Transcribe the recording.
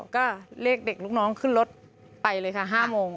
ก็เรียกเด็กลูกน้องขึ้นรถไปเลยค่ะ๕โมง